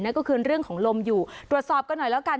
ก็คือเรื่องของลมอยู่ตรวจสอบกันหน่อยแล้วกัน